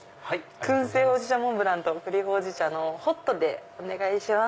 燻製焙じ茶モンブランと栗焙じ茶のホットでお願いします。